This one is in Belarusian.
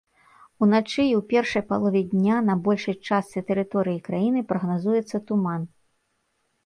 Уначы і ў першай палове дня на большай частцы тэрыторыі краіны прагназуецца туман.